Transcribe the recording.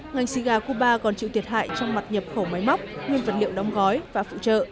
ngành xì gà cuba còn chịu thiệt hại trong mặt nhập khẩu máy móc nguyên vật liệu đóng gói và phụ trợ